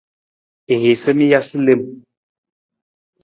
I hiisa mi jasa lem.